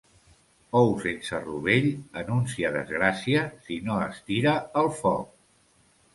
Ou sense rovell anuncia desgràcia si no es tira al foc.